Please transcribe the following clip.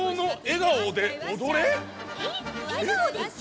えがおでち？